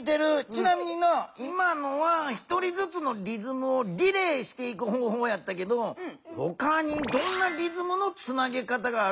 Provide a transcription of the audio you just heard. ちなみにな今のは１人ずつのリズムをリレーしていく方ほうやったけどほかにどんなリズムのつなげ方があると思う？